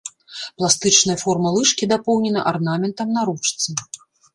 Пластычная форма лыжкі дапоўнена арнаментам на ручцы.